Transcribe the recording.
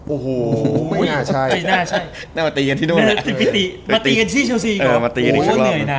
โอ้โหไม่น่าใช่มาตีกันที่เฉลศีก่อน